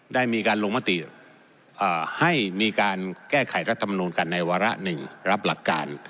ได้มีการลงมติให้มีการแก้ไขรัฐมนูลกันในวาระ๑รับหลักการ